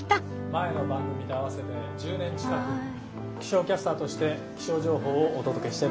前の番組と合わせて１０年近く気象キャスターとして気象情報をお届けしてまいりました。